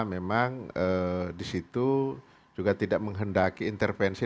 memang disitu juga tidak menghendaki intervensi